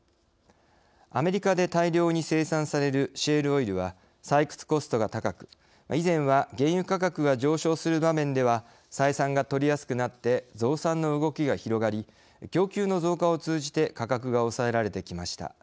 アメリカで大量に生産されるシェールオイルは採掘コストが高く以前は原油価格が上昇する場面では採算が取りやすくなって増産の動きが広がり供給の増加を通じて価格が抑えられてきました。